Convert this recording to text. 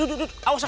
aduh aduh awas awas